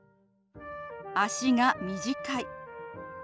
「足が短い」。